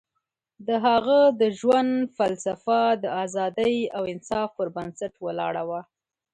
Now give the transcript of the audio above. د هغه د ژوند فلسفه د ازادۍ او انصاف پر بنسټ ولاړه وه.